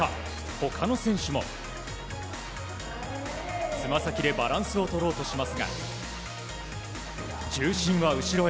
他の選手もつま先でバランスを取ろうとしますが重心が後ろへ。